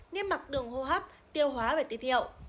niêm mặc đường hô hấp tiêu hóa và tiêu thiệu